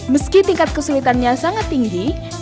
meski tingkat kesulitannya sangat tinggi